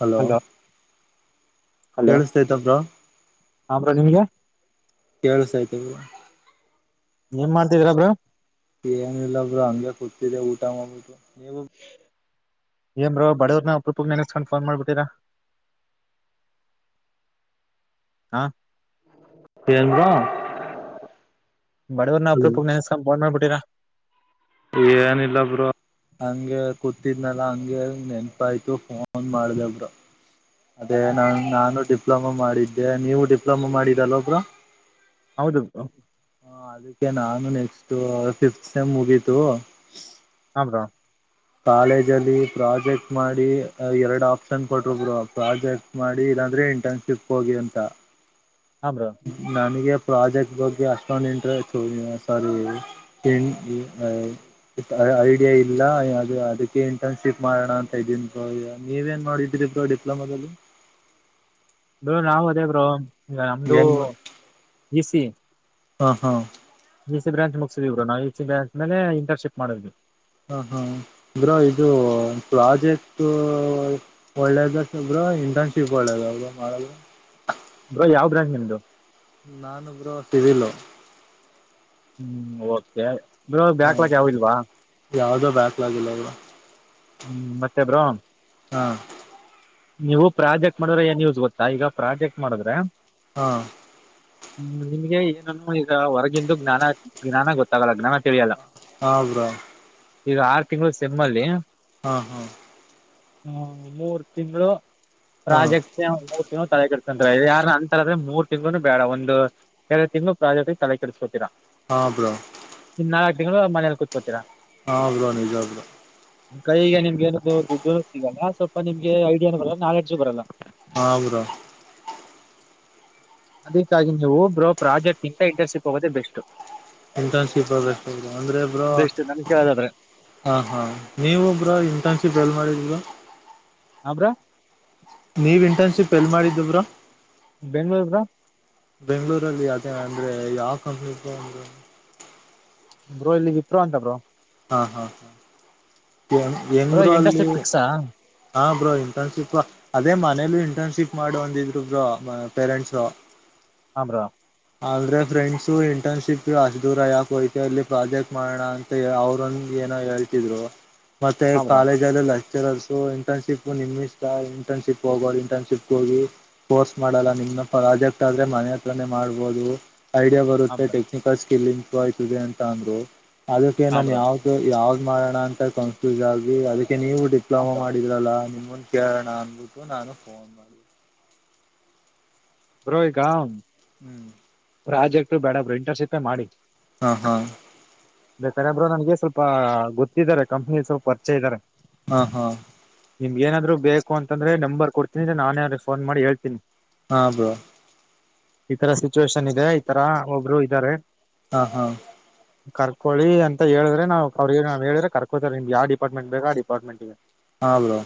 Hello hello ಕೇಳಿಸತೈತಬ್ರೋ ಹಾ bro ನಿಮ್ಗೆ ಕೇಳಿಸತಾ ಐತ ಬ್ರೋ ಏನ್ ಮಾಡ್ತಿದೀರಾ ಬ್ರೋ ಏನ ಇಲ್ಲ ಬ್ರೋ ಹಂಗೆ ಕುತಿದ್ದ ಊಟ ಮಾಡಬಿಟ್ಟು ನೀವು ಏನ್ ಬ್ರೋ ಬಡವರನ ಅಪರೂಪಕ್ಕ ನೆಸ್ಕೊಂಡ ಫೋನ್ ಮಾಡ್ಬಿಟ್ಟೀರ ಹಾ ಹೇಳ ಬ್ರೋ ಬಡವರನ್ನ ಅಪರೂಪಕ ನೆಸ್ಕೊಂಡ ಫೋನ್ ಮಾಡ್ಬಿಟ್ಟಿರಾ ಏನಿಲ್ಲ ಬ್ರೋ ಹಂಗೆ ಕೂತಿದ್ನಲ್ಲ ಹಂಗೆ ನೆನ್ಪಾಯಯ್ತು ಫೋನ್ ಮಾಡ್ದ ಬ್ರೋ ಅದೇ ನಾ ನಾನು ಡಿಪ್ಲೊಮಾ ಮಾಡಿದ್ದೆ ನೀವು ಡಿಪ್ಲೊಮಾ ಮಾಡಿದಲ್ಲ ಬ್ರೋ ಹೌದು ಹಾ ಅದಕ್ಕೆ ನಾನು ನೆಕ್ಸ್ಟ್ ಫಿಫತ್ ಸೆಮ್ ಮುಗೀತು ಹಂ ಬ್ರೋ ಕಾಲೇಜ್ ಅಲ್ಲಿ ಪ್ರಾಜೆಕ್ಟ್ ಮಾಡಿ ಎರಡು ಆಪ್ಷನ್ ಕೊಟ್ಟರು ಬ್ರೋ ಪ್ರಾಜೆಕ್ಟ್ ಮಾಡಿ ಇಲ್ಲಾಂದ್ರೆ ಇಂಟರ್ನ್ಶಿಪ್ ಹೋಗಿ ಅಂತ ಹಾ ಬ್ರೋ ನನಗೆ ಪ್ರಾಜೆಕ್ಟ್ ಬಗ್ಗೆ ಅಷ್ಟೊಂದು ಇಂಟ್ರೆಸ್ಟ್ ಹ ಸರಿ ತಿ ಐಡಿಯಾ ಇಲ್ಲಾ [unintelligible] ಅದಕ್ಕೆ ಇಂಟರ್ನ್ಶಿಪ್ ಮಾಡಣ ಅಂತ ಇದೀನ್ ಬ್ರೋ ನೀವ ಏನ್ ಮಾಡಿದ್ರಿ ಬ್ರೋ ಡಿಪ್ಲೋಮಾದಲ್ಲಿ ಬ್ರೋ ನಾವು ಅದೇ ಬ್ರೋ ನಮ್ದು ಏನ್ ಈಸಿ ಹಾ ಹಾ ಇ ಸಿ ಬ್ರಾಚ್ ಮುಗಿಸ್ವ್ರು ನಾವು ಈ ಸಿ ಬ್ರ್ಯಾಂ ಮೇಲೆ ಇಟರ್ನ್ಶಿಪ್ ಮಾಡಿದ್ವಿ ಹಾ ಹಾ ಬ್ರೋ ಇದು ಪ್ರಾಜೆಕ್ಟ್ ಒಳ್ಳೇದ ಒಬ್ರು ಇಂಟರ್ನ್ಶಿಪ್ ಒಳ್ಳೇದ ಒಬ್ ಮಾಡದು ಬ್ರೋ ಯಾವ ಬ್ರಾಂಚ್ ನಿಮ್ದು ನಾನೊಬ್ರು ಅಷ್ಟಿಲ್ಲ ಹ್ಮ್ ಓಕೆ ಇ ಹಾ ಬ್ಯಾಕ್ಲಾಕ್ ಯಾವಲ್ವಾ ಯಾವ್ದೋ ಬ್ಯಾಕ್ಲಾಗ್ ಇಲ್ಲ ಬ್ರೋ ಹ್ಮ್ ಮತ್ತೆ ಬ್ರೋ ಹಾ ನೀವು ಪ್ರಾಜೆಕ್ಟ್ ಮಾಡಿದ್ರೆ ಏನ್ಯೂಸ್ ಗೊತ್ತಾ ಈಗ ಪ್ರಾಜೆಕ್ಟ್ ಮಾಡಿದ್ರೆ ಹಾ ಹ್ಮ್ ನಿಮ್ಗೆ ಏನನು ಈಗ ಹೊರಗಿಂದು ಜ್ಞಾನ ಜ್ಞಾನ ಗೊತ್ತಾಗಲ್ಲ ಜ್ಞಾನ ತಿಳಿಯಲ್ಲ ಹಾಬ್ರ್ ಈಗ ಆರು ತಿಂಗಳು ಸೆಮ್ಮಲ್ಲಿ ಹಾ ಹಾ ಹ ಮೂರು ತಿಂಗಳು ಹಾ ಪ್ರಾಜೆಕ್ಟ್ ಮೂರ್ ತಿಂಗಳು ತಲೆಗಡ್ತಂತ ಯಾರ ಅಂತ ಅ್ರ ಮೂರ್ ತಿಂಗ್ಗಳುನು ಬೇಡ ಒಂದು ಎರಡು ತಿಂಗಳು ಪ್ರಾಜಕ್ ತಲೆ ಕೆಟ್ಟಿಸಸ್ಕೊತೀರಾ ಹಾ ಬ್ರೋ ಇನ್ ನಾಲ್ಕ್ ತಿಂಗಳು ಮನೆಯಲ್ಲಿ ಕ ಕುತ್ಕೋತೀ ಹ್ರ ನಿಜ ಆ್ರ ಕೈಗ ನಿಮ್ಗೆ ಏನದು ದುಡ್ಡ ಸಿಗಲ್ಲ ಸ್ವಲ್ಪ ನಿಮ್ಗೆ ಐಡಿಯಾನು ಬರಲ್ಲ ನಾಲೆಡ್ಜು ಬರಲ್ಲ ಹಾ ಬ್ರೋ ಅದಕ್ಕಾಗಿ ನೀವು ಬ್ರೋ ಪ್ರಾಜೆಕ್ಟ್ಗಿಂತ ಇಂಟರ್ನ್ಶಿಪ್ ಹೋಗೋದೇ ಬೆಸ್ಟ್ ಇಂಟರ್ನ್ಶಿಪ್ ಆಗ ಅಂದ್ರೆ ಇಬ್ ಬೆಸ್ಟ್ ನನ್ ಕೇಳೋದಾದ್ರೆ ಹಾ ಹಾ ನೀವ ಒಬ್ಬ್ರ ಇಂಟರ್ನ್ಶಿಪ್ ಎಲ್ ಮಾಡಿದ್ರ ಹಬ್ರಾ ನೀವ್ ಇಂಟರ್ನ್ಶಿಪ್ ಎಲ್ಲಿ ಮಾಡಿದ್ದಿವ್ರಾ ಬೆಂಗಳೂರಗ ಬೆಂಗ್ಗಳೂರಲ್ಲಿ ಯ ಅಂದ್ರೆ ಯಾವ ಕಂಪ್ನಿ ಅಂದ ಬರು ಇಲ್ಲಿ ವಿಪರು ಅಂತ ಬ್ರರು ಹಾ ಹಾ ಹಾ ಬ್ರೋ ಎಂಗರುೂ ಅಲ್ಲಿ ಇಂಟರ್ನ್ಶಿಪ್ ಫಿಕ್ಸಾ ಹಾ ಬ್ರೋ ಇಂಟರ್ನ್ಶಿಪ್ ಅದೇ ಮನೇಲಿ ಇಂಟರ್ನ್ಶಿಪ್ ಮಾಡಿ ಬಂದಿದ್ರುಬ್ ಪೇರೆಂಟ್ಸರು ಹಮ ರಾ ಆದ್ರೆ ಫ್ರೆಂಡ್ಸು ಇಂಟರ್ನ್ಶಿಪ್ ಅಷ್ಟ ದೂರ ಯಾಕೋಯತ ಅಲ್ಲಿ ಪ್ರಾಜೆಕ್ಟ್ ಮಾಡೋಣ ಅಂತ ಅವ ಏನೋ ಹೇಳ್ತಿದ್ರು ಮತ್ತೆ ಹ ಬ್ರೋ ಕಾಲೇಜ್ ಲೆಕ್ಚರರ್ಸ್ ಇಂಟರ್ನ್ಶಿಪ್ ನಿಮ ಇಷ್ಟ ಇಂಟರ್ನ್ಶಿಪ್ ಹೋಗೋ ಇಂಟರ್ನ್ಶಿಪ್ ಹೋಗಿ ಕೋರ್ಸ್ ಮಾಡಲ್ಲ ನಿಮ್ನ ಪ್ರಾಜೆಕ್ಟ್ ಆದ್ರೆ ಮನೆ ಹತ್ರನೇ ಮಾಡ್ಬೋದು ಐಡಿಯಾ ಬರು ಹ ಬ್ರೋ ಟೆಕ್ನಿಕಲ್ ಸ್ಕಿಲ್ ಇಂಪ್ರೂವ್ ಆಯ್ತದೆ ಅಂತ ಅಂದ್ರು ಅದಕ್ಕೆ ಹ ನಾನ ಬ್ರೋ ಯಾವ್ದ ಯಾವ್ದ್ ಮಾಡೋಣ ಅಂತ ಕನ್ಫ್ಯೂಸ್ ಆಗಿ ಅದಕ್ಕೆ ನೀವು ಹ ಡಿಪ್ಲೋಮಾ ಬ್ರೋ ಮಾಡಿದ್ರಲ್ಲ ನಿಮ್ಮ ಕೇಳರಣ ಅನ್ಬಿಟ್ಟು ನಾನು ಫೋನ್ ಮಾಡ ರೋಹಿಗಾ ಹ್ಮ್ ಪ್ರಾಜೆಕ್ಟ್ ಬೇಡ ಬ್ರರು ಇಂಟರ್ಶಿಪೇ ಮಾಡಿ ಹಾ ಹಾ ಇ ಕರೆಬ್ರು ನನಗೆ ಸ್ವಲ್ಪ ಗೊತ್ತಿದ್ದಾರೆ ಕಂಪ್ನಿ ಸ್ವಲ್ಪ ಪರಿಚೆ ಇದ್ದಾರೆ ಹಾ ಹಾ ನಿಮ್ಗೆ ಏನ್ರು ಬೇಕ ಅಂತಂದ್ರೆ ನಂಬರ್ ಕೊಡ್ತೀನಿ ನಾನೇ ಅವ್ರ ಫೋನ್ ಮಾಡಿ ಹೇಳ್ತೀನಿ ಹಾ ಬ್ರೋ ಈ ತರ ಸಿಚುವೇಶನ್ ಇದೆ ಈ ತರ ಒಬ್ರು ಇದ್ದಾರೆ ಹಾ ಹಾ ಕರ್ಕೊಳ್ಳಿ ಅಂತ ಹೇಳ್ರೆ ನಾವ ಅವ್ರಿಗೆ ಹೇಳ್ರ ಕರ್ಕೋತಾರೆ ನಿಮ್ದ ಯ ಡಿಪಾರ್ಟ್ಮೆಂಟ್ ಬೇಕ ಆ ಡಿಪಾರ್ಟ್ಮೆಂಟ್ ಹ ಹಾಂ ಬ್ರೋ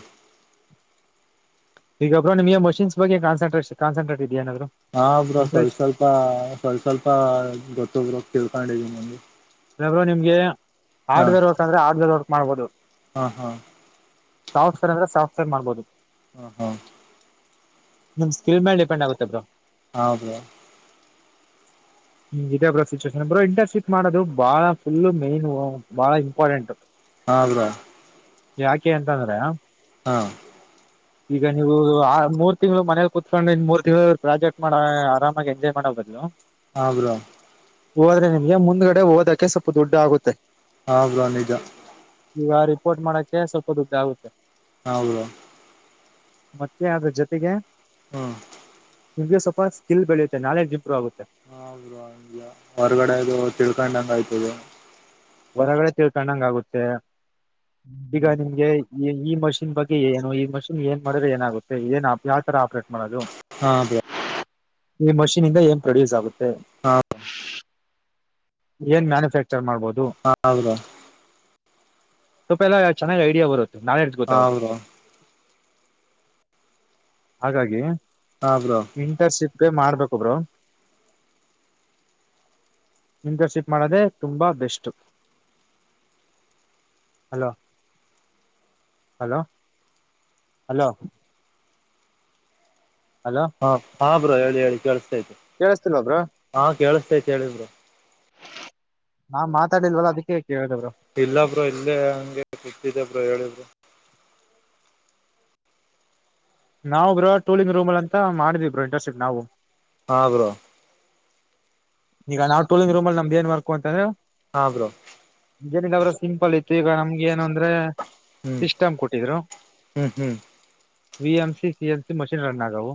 ಈಗ ಒಬ್ರು ನಿಮಗೆ ಮಷಿನ್ಸ್ ಬಗ್ ಕನ್ಸೆಟ್ರೇ ಕನ್ಸಂಟ್ ಇದೆಯನಾದರು ಹಾ ಬ್ರ ಸ್ವಲ್ ಸ್ವಲ್ಪ ಸ್ವಲ್ ಸ್ವಲ್ಪ ಗೊತ್ತಬರು ತಿಳ್ಕೊಂಡಿದೀ ನಗೆ ಇರು ನಿಮ್ಗೆ ಹಾರ್ಡ್ ವೇರ್ ವರ್ಕ್ ಅಂದ್ರೆ ಹಾರ್ಡ್ ವೇರ್ ವರ್ಕ್ ಮಾಡ್ಬೋದು ಹಾ ಹಾ ಸಾಫ್ಟ್ವರ್ ಅಂದ್ರ ಸಾಫ್ಟವೇರ್ ಮಾಡಬೋದು ಹಾ ಹಾ ನಮ್ಕಲ್ ಪೆಂಡ ಆಗುತ್ತೆರೋ ಹೌದ ಹ್ಮ ಇದೇ ಬ್ರೋ ಸಿಚೇಷನ್ ಬೋ ಇಂಟರ್ಶಿಪ್ ಮಾಡೋದು ಬಹಳ ಫುಲ್ಲು ಮೈನ್ ಬಹಳ ಇಂಪಾರ್ಟೆಂಟ್ ಹವಾ ಯಾಕೆ ಅಂತ ಅಂದ್ರೆ ಹಾ ಈಗ ನೀವು ಆ ಮೂರ್ ತಿಂಗಳು ಮನಲಿ ಕುತ್ಕೊಂಡು ಇ ಮೂರ್ ತಿಂಗಳು ಪ್ರಾಜೆಕ್ಟ್ ಮಾಡ ಆರಾಮಾಗಿ ಎಂಜಾಯ್ ಮಾಡಬದಲು ಹಾಂ ಬ್ರೋ ಹೋದ್ರೆ ನಿಮ್ಗೆ ಮುಂದ್ಗಡೆ ಓದಕ್ಕೆ ಸ್ವಲ್ಪ ದುಡ್ಡು ಆಗುತ್ತೆ ಹಾ ಬ ನಿಜಾ ಈವ ರಿಪೋರ್ಟ್ ಮಾಡಕ್ಕೆ ಒಪ್ಪದು ಆಗುತ್ತೆ ಹೌದು ಮತ್ತೆ ಅದ್ರ ಜೊತೆಗೆ ಹ್ಮ ನಿಮಗೆ ಸ್ಲ್ಪ ಸ್ಲ್ ಬೆಳೆಯುತ್ತೆ ನಾಲಜ್ ಇಂಪ್ರೂವ ಆಗುತ್ತೆ ಹ ಹೌರು ಆಂಗ ಹೊರಗಡೆ ಅದು ತಿಳ್ಕೊಂಡಂಗ ಆಯ್ತದ ಹೊರಗಡೆ ತಿಳ್ಕೊಂಡಂಗ ಆಗುತ್ತೆ ಈಗ ನಿಮ್ಗೆ ಈ ಈ ಮಷಿನ್ ಬಗ್ಗೆ ಏನು ಈ ಮಷಿನ್ ಏನ್ ಮಾಡಿದ್ರೆ ಏನಾಗುತ್ತೆ ಏನ್ ಯಾವ್ ತರ ಆಪ್ರೇಟ್ ಮಾಡೋದು ಹಾ ಅ ಈ ಮಷೀನ್ದ ಏನ್ ಪ್ರೊಡ್ಯೂಸ್ ಆಗುತ್ತೆ ಹಾ ಏನ್ ಮ್ಯಾನುಫ್ಯಾಕ್ಚರ್ ಮಾಡ್ಬೋದು ಹಾ ಹೌದಾ ತ ಪೆ ಚೆನ್ನಾಗಿ ಐಡಿಯಾ ಬರತ ನಾಲೆಜ್ ಹಾ ಗೊತ್ತ ಬ್ರೋ ಹಾಗಾಗಿ ಹಾ ಬ್ರೋ ಇಂಟರ್ನ್ಶಿಪ್ ಮಾಡ್ಬೇಕೊಬ್ರು ಇಂಟರ್ಶಿಪ್ ಮಾಡೋದೆ ತುಂಬಾ best hello hello hello hello ಹಾ ಹಾ ಬ್ರೋ ಹೇಳಿ ಹೇಳಿ ಕೇಳಸ್ತು ಕೇಳಿಸ್ತಿಲ್ ಒಬ್ಬರು ಹಾ ಕೇಳಿಸ್ತೈತ್ ಹೇಳಿ ಬ್ರೋ ನಾನ್ ಮಾತಾಡಿಲ್ವಲ್ಲ ಅದಿಕ್ಕೆ ಕೇಳ್ದೆ ಬ್ರೋ ಇಲ್ಲ ಬ್ರೋ ಇಲ್ಲೇ ಹಂಗೆ ಕುತ್ತಿದೆ ಬ್ರೋ ಹೇಳು ಬ್ರೋ. ನಾವು ಬ್ರೊ ಟೂಲಿಂಗ್ ರೂಮಲ್ ಅಂತ ಮಾಡಿದ್ವಿ ಬ್ರೋ ಇಂಟರ್ನ್ಶಿಪ್ ನಾವು. ಹಾ ಬ್ರೋ ಈಗ ನಾವು ಟೂಲಿಂಗ್ ರೂಮಲ್ ನಮ್ದೇನು ವರ್ಕು ಅಂತಂದ್ರೆ ಹಾ ಬ್ರೋ [unintelligible] ಸಿಂಪಲ್ ಐತ್ತು ಈಗ ನಮ್ಗೇನು ಅಂದ್ರೆ ಹ್ಮ್ ಸಿಸ್ಟಮ್ ಕೊಟ್ಟಿದ್ರು ಹ್ಮ್ ಹ್ಮ್ V M C C M C machine run ಆಗವು.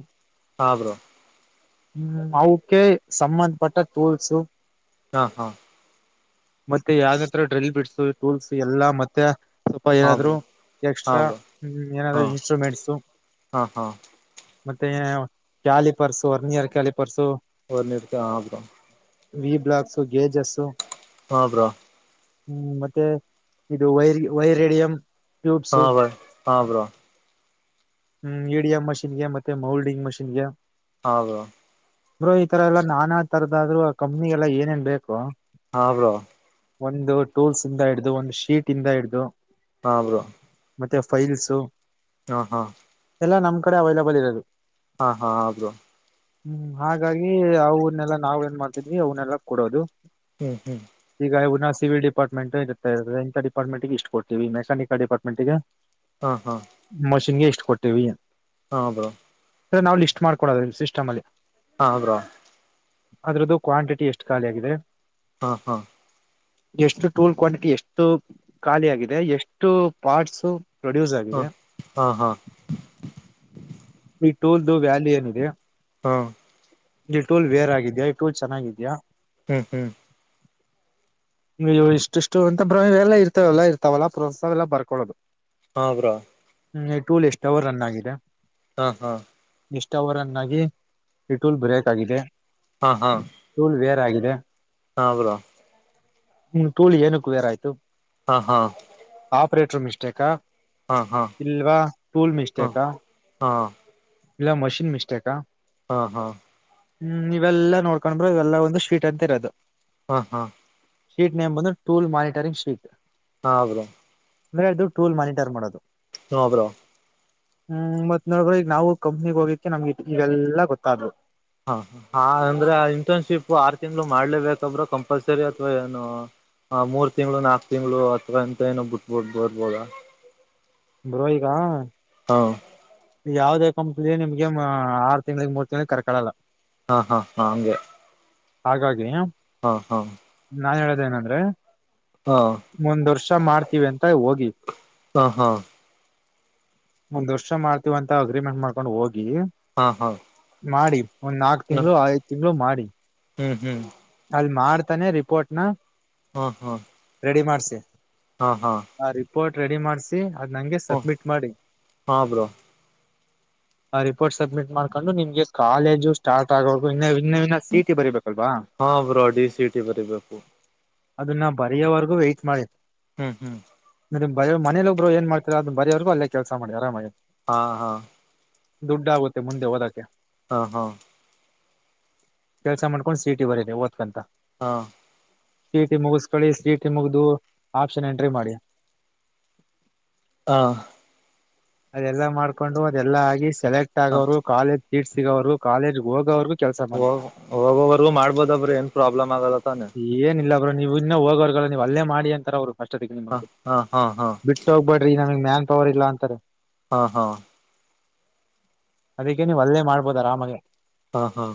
ಹಾ ಬ್ರೋ ಹ್ಮ್ ಅವುಕ್ಕೆ ಸಂಬಂಧಪಟ್ಟ ಟೂಲ್ಸ್ ಹಾ ಹಾ ಮತ್ತೆ ಯಾವ್ನ್ ಹತ್ರ ಡ್ರಿಲ್ ಬಿಟ್ಸ ಟೂಲ್ಸ್ ಎಲ್ಲಾ ಮತ್ತೆ ಹಾ ಏನಾದ್ರು ಬ್ರೋ ಹಾ ಎಕ್ಸ್ಟ್ರಾ ಬ್ರೋ ಹ್ಮ ಹಾ ಏನಾದ್ರು ಇನ್ಸ್ಟ್ರೂಮೆಂಟ್ಸು ಹಾ ಮತ್ತೆ ಯ ಕ್ಯಾಲಿ ಪರ್ಸು ಹರ್ನಿಯರ್ ಕ್ಯಾಲಿ ಪರ್ಸು [unintelligible] ಹಾ ಬ್ರೊ ವಿ ಬ್ಲಾಕ್ಸು ಗೇಜಸು ಹಾ ಬ್ರೋ ಹ್ಮ್ ಮತ್ತೆ ಇದು ವೈರ್ ವೈರ್ ರೇಡಿಯಂ ಟ್ಯೂಬ್ಸು. ಹಾ ಬ್ರೋ ಹಾ ಬ್ರೋ ಹ್ಮ್ ಇ ಡಿ ಎಂ ಮಷಿನ್ ಗೆ ಮತ್ತೆ ಮೋಲ್ಡಿಂಗ್ ಮಷಿನ್ ಗೆ ಹಾ ಬ್ರೋ ಬ್ರೋ ಈ ತರ ಎಲ್ಲಾ ನಾನಾ ತರದಾದ್ರು ಆ ಕಂಪನಿ ಎಲ್ಲ ಏನೇನ್ ಬೇಕು ಹಾ ಬ್ರೋ ಒಂದು ಟೂಲ್ಸ್ ಇಂದ ಹಿಡ್ದು ಒಂದು ಶೀಟ್ ಇಂದ ಹಿಡ್ದು ಹಾ ಬ್ರೋ ಮತ್ತೆ ಫೈಲ್ಸ್ ಆ ಹಾ ಎಲ್ಲಾ ನಮ್ಮ್ ಕಡೆ ಅವೈಲೆಬಲ್ ಇರೋದು. ಹಾ ಹಾ ಬ್ರೋ ಹ್ಮ್ ಹಾಗಾಗಿ ಅವನ್ನೆಲ್ಲಾ ನಾವ್ ಏನ್ ಮಾಡ್ತಿದ್ವಿ ಅವ್ನೆಲ್ಲಾ ಕೊಡೋದು. ಹ್ಮ್ ಹ್ಮ್ ಈಗ ಉನ ಸಿ ವಿ ಡಿಪಾರ್ಟ್ಮೆಂಟ್ ಇದುಕ್ಕೆ ಇದ್ ಏನ್ಟೈರ್ ಪಾರ್ಟ್ಮೆಂಟ್ಗೆ ಇಷ್ಟ್ ಕೊಡ್ತೀವಿ ಮೆಕಾನಿಕಲ್ ಡಿಪಾರ್ಟ್ಮೆಂಟ್ಗೆ ಹಾ ಹಾ ಮಷಿನ್ ಗೆ ಇಷ್ಟ್ ಕೊಟ್ಟೇವಿ. ಹಾ ಬ್ರೋ ಬ್ರೋ ನಾವು ಲಿಸ್ಟ್ ಮಾಡ್ಕೊಳ್ಳೋದದ್ ಸಿಸ್ಟಮಲ್ಲಿ ಹಾ ಹಬ್ರೋ ಅದ್ರುದ್ದು ಕ್ವಾಂಟಿಟಿ ಎಷ್ಟ್ ಖಾಲಿ ಆಗಿದೆ. ಹಾ ಹ ಎಷ್ಟು ಟೂಲ್ ಕ್ವಾಂಟಿಟಿ ಎಷ್ಟು ಖಾಲಿ ಆಗಿದೆ ಎಷ್ಟು ಪಾರ್ಟ್ಸ್ ಪ್ರೊಡ್ಯೂಸ್ ಆಗಿದೆ. ಹಾ ಹಾ ಈ ಟೂಲ್ದು ವ್ಯಾಲ್ಯೂ ಏನಿದೆ ಹಾ ಇಲ್ಲಿ ಟೂಲ್ ಬೇರ್ ಆಗಿದ್ಯಾ ಈ ಟೂಲ್ ಚೆನ್ನಾಗಿದ್ಯ ಹ್ಮ್ ಹ್ಮ್ ವು ಇಷ್ಟಿಷ್ಟು ಅಂತ ಭ್ರಮ ಎಲ್ಲ ಇರ್ತವೆೆಲ್ಲ ಇರ್ತಾವಲ್ಲ ಪ್ರೋತ್ಸವ ಎಲ್ಲರ್ಕೊಳ್ಳೋದು [unintelligible] ಹಾಂ ಬ್ರೋ ಹ ಟೂಲ್ ಎಷ್ಟ ಅವರ್ ರನ್ ಆಗಿದೆ ಹಾ ಹಾ ಎಷ್ಟ ಅವರನ್ನಾಗಿ ಇಟೂಲ್ ಬ್ರೇಕ್ ಆಗಿದೆ ಹಾ ಹಾ ತೂಳ್ ಬೇರೆ ಆಗಿದೆ ಹಾಂ ಬರೋ ಹ್ಮ್ ಟೋಲ್ ಏನಕ್ರ ಆಯ್ತು ಹಾ ಹಾ ಆಪ್ರೇಟರ್ ಮಿಸ್ಟೇಕ ಹಾ ಹಾ ಹಾ ಇಲ್ವಾ ಟೂಲ್ ಮಿಸ್ಟೇಕಾ ಹಾ ಇಲ್ಲ ಮಷಿನ್ ಮಿಸ್ಟೇಕಾ ಹಾ ಹಾ ಹ್ಮ್ ಇವೆಲ್ಲ ನೋಡ್ಕೊಂಡ್ರು ಇವೆಲ್ಲ ಒಂದು ಸ್ವೀಟ್ ಅಂತ ಇರೋದು ಹಾ ಹಾ ಶೀಟ್ ನೇಮ ಬಂದು ಟೂಲ್ ಮಾನಿಟರಿಂಗ್ ಶೀಟ್ ಹಾಂ ಹ ಮಂದ್ರೆ ಇದು ಟೂಲ್ ಮಾನಿಟರ್ ಮಾಡೋದು ನೋ ಬ್ರೋ ಹ್ಮ್ ಮತ್ ನೋಡಬ್ರೆ ಈಗ ನಾವು ಕಂಪ್ನಿಗ್ ಹೋಗಿಕ್ಕೆ ನಮ್ಗೆ ಈಗೆಲ್ಲಾ ಗೊತ್ತಾದದು ಹಾ ಅಂದ್ರೆ ಇಂಟರ್ನ್ಶಿಪ್ ಆರು ತಿಂಗ್ಗಳು ಮಾಡ್ಲೇಬೇಕಬ್ ಕಂಪಲ್ಸರಿ ಅಥವಾ ಏನು ಹ ಮೂರ್ ತಿಗಳು ನಾಕ್ ತಿಂಗಗಳು ಅಥ್ವಾ ಇಂತ ಏನೋ ಬಿಟ್ಬಡ್ ಬೋರ್ಬೋದ ಬರೋಹಿಕಾ ಹಾ ಯಾವದೇ ಕಂಪ್ನಿಯ ನಿಮ್ಗೆ ಆರು ತಿಂಗ್ಳಿಗೆ ಮೂರ್ ತಿಂಗ್ಳಿಗೆ ಕರ್ಕಳಲ್ಲ ಹಾ ಹಾ ಹಾ ಹಂಗೆ ಹಾಗಾಗಿ ಹಾ ಹಾ ನಾನ್ ಹೇಳೋದೇಏನಂದ್ರೆ ಹಾ ಮುಂದ್ ವರ್ಷ ಮಾಡ್ತೀವಿ ಅಂತ ಹೋಗಿ ಹಾ ಹಾ ಒಂದ್ ವರ್ಷ ಮಾಡ್ತೀವಂತ ಅಗ್ರಿಮೆಂಟ್ ಮಾಡ್ಕೊಂಡ್ ಹೋಗಿ ಹಾ ಹಾ ಮಾಡಿ ಒಂದ್ ನಾಕ್ ತಿಂಗಳು ಐದ್ ತಿಂಗಗಳು ಮಾಡಿ ಹ್ಮ್ ಹ್ಮ್ ಅಲ್ ಮಾಡ್ತಾನೆ ರಿಪೋರ್ಟ್ ನ ಹ್ಮ ಹ್ಮ ರೆಡಿ ಮಾಡ್ಸಿ ಹಾ ಹಾ ಆ ರಿಪೋರ್ಟ್ ರೆಡಿ ಮಾಡ್ಸಿ ಅದ್ ನಂಗೆ ಸಬ್ಮಿಟ್ ಮಾಡಿ ಹಾ ಬ್ರೋ ಆ ರಿಪೋರ್ಟ್ ಸಬ್ಮಿಟ್ ಮಾಡ್ಕೊಂಡು ನಿಮ್ಗೆ ಕಾಲೇಜು ಸ್ಟಾರ್ಟ್ ಆಗೋು ಇನ್ನ ಇನ್ನನ್ನ ಸೀಟಿ ಬರಿೀಬೇಕಲ್ವಾ ಹಾ ಬ್ರೋ ಡಿ ಸಿ ಟಿ ಬರೀಬೇಕು ಅದನ್ನ ಬರಯೋವರೆಗೂ ವೈಟಟ್ ಮಾಡಿ ಹ್ಮ್ ಹ್ಮ್ ಬ ಮನೇ ಒಬ್ರು ಏನ್ ಮಾಡತ ಅ ಬರೋವಗ ಅಲ್ಲೇ ಕೆಲಸ ಮಾಡಿ ಆರಾಮ ಹಾ ಹಾ ದುಡ್ ಆಗುತ್ತೆ ಮುಂದೆ ಓದಕ್ಕೆ ಹಾ ಹಾ ಕೆಲ್ಸ ಮಾಡ್ಕೊಂಡು ಸಿಟಿ ಬರೀನ ಓ್ತ ಅಂತ ಹಾ ಸೀಟಿ ಮುಗಿಸ್ಕೊಳ್ಳಿ ಸೀಟಿ ಮುಗ್ದು ಆಪ್ಷನ್ ಎಂಟ್ರಿ ಮಾಡಿ ಹಾ ಅದೆಲ್ಲಾ ಮಾಡ್ಕೊಂಡು ಅದೆಲ್ಲಾ ಆಗಿ ಸೆಲೆಕ್ಟ್ ಹಾಂ ಆಗೋರು ಕಾಲೇಜ್ ಸೀಟ್ ಸಿಗೋ್ರು ಕಾಲೇಜ್ಗೆ ಹೋಗವರು ಹೋಗ ಹೋಗೋವರ್ಗೂ ಮಾಡ್ಬೋದಬ್ರ ಏನ್ ಪ್ರಾಬ್ಲಮ್ ಆಗಲ್ಲತ್ತಾನೇ ಏನಿಲ್ಲ ಬರು ನೀವು ಇನ್ನ ಹೋಗವರ್ಗಲ್ಲ ನೀವ್ ಅಲ್ಲೇ ಮಾಡಿ ಅಂತಾರ ಅವರು ಕಷ್ಟದ ಹಾಂ ನಿಮಗೆ ಹಾಂ ಹಾಂ ಹಾಂ ಬಿಟ್ಟ ಹ್ಬೇರಿ ನಮಗ್ ಮ್ಯಾನ್ ಪವರ್ ಇಲ್ಲ ಅಂತಾರೆ ಹಾಂ ಹಾಂ ಅದಕ್ಕೆ ನೀವು ಅಲ್ಲೇ ಮಾಡ್ಬೋದು ಆರಾಮಗೆ ಹಾ ಹಾ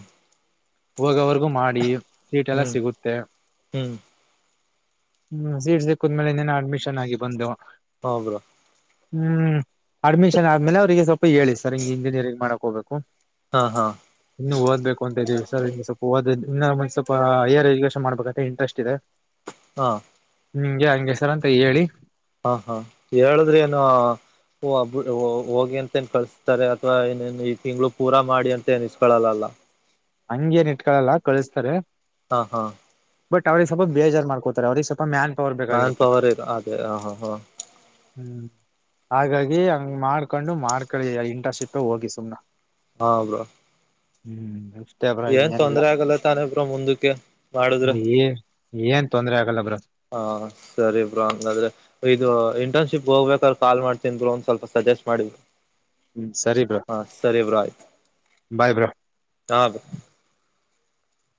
ಹೋಗವರ್ಗೂ ಮಾಡಿ ಸೀಟೆಲ್ಲ ಹ್ಞೂ ಸಿಗುತ್ತೆ ಹ್ಞೂ ಹ್ಮ್ ಸೀಟ್ ಸಿಕ್ಕಿದ್ಮೇಲೆ ಇನ್ನೇನ ಅಡ್ಮಿಷನ್ ಆಗಿ ಬಂದೆವು ಹೌ ಬ್ರಾ ಹ್ಮ್ ಅಡ್ಮಿಷನ್ ಆದ್ಮೇಲೆ ಅವ್ರಿಗೆ ಸ್ವಲ್ಪ ಹೇಳಿ ಸರ್ ಹಿಂಗೆ ಇಂಜಿನಿಯರಿಂಗ್ ಮಾಡಕ್ ಹೋಗ್ಬೇಕು ಹಾ ಹಾ ಇನ್ನು ಓದಬೇಕು ಅಂತ ಇದೀವಿ ಸರ್ ಇನ್ನು ಸ್ವಲ್ಪ ಓದ ಇನ್ನಂದ್ ಸ್ವಲ್ಪ ಹೈಯ ಎಜುಕೇಶನ್ ಮಾಡ್ಬೇಕೆ ಇಂಟ್ರೆಸ್ಟ್ ಇದೆ ಹಾ ನಿಂಗೆ ಹಂಗಗೆಸರ ಅಂತ ಹೇಳಿ ಹಾ ಹಾ ಹೇಳುದ್ರ ಏನು ಬ ಹೋಗಿ ಅಂತ ನ್ ಕಳಸ್ತಾರೆ ಅಥವಾ ಏೇನ್ ಈ ತಿಂಗಳು ಪೂರಾ ಮಾಡಿ ಅಂತನ್ಸಸ್ಕೊಳ್ಳಲ್ಲಲ್ಲ ಹಂಗ ಏನ್ ಇಟ್ಕಳಲ್ಲ ಕಳಿಸ್ತಾರೆ ಹಾ ಹಾ ಬಟ್ ಅವ್ರ ಸ್ವಬ ಬೇಜಾರ್ ಮಾಡ್ಕೋತ ಅವಿಗೆ ಮ್ಯಾನ್ ಪವರ್ ಮ್ಯಾನ್ ಬೇಕಾಗಿರುತ್ತೆ ಪವರ್ ಇದೆ ಅದೇ ಹ ಹ ಹ ಹ್ಮ್ ಹಾಗಾಗಿ ಹಂಗ್ ಮಾಡ್ಕೊಂಡು ಮಾಡ್ಕಳಿ ಇಂಟರ್ನ್ಶಿಪ್ ಹೋಗಿ ಸುಮ್ ಹಾ ಹಬ್ರ ಹ್ಮ್ ಬ ಮತ್ತಬ್ರಾ ಇನ್ನೇನಿಲ್ಲ ತೊಂದ್ರೆ ಆಗಲ್ಲ ತಾನೇ ಬ್ರೋ ಮುಂದಕ್ಕೆ ಮಾಡುದ್ರೆ ಏ ಏನ್ ತೊಂದ್ರೆ ಆಗಲ್ಲ ಬ್ರ ಹಾ ಸರಿ ಬ್ರೋ ಹಂಗಾದ್ರೆ ಇದು ಇಂಟರ್ನ್ಶಿಪ್ ಹೋಗ್ಬೇಕಾದ್ರ ಕಾಲ್ ಮಾಡ್ತಿದ್ರು ಒ್ಸ್ವಲ್ಪ ಸಜೆಸ್ಟ್ ಮಾಡಿದ್ರು ಹ್ಮ್ ಸರಿ ಬ್ರೋ ಹಾ ಸರಿ ಬ್ರಾಯ್ ಬಾಯ್ ಬ್ರೋ ಹಾ